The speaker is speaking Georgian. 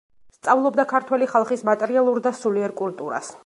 სწავლობდა ქართველი ხალხის მატერიალურ და სულიერ კულტურას.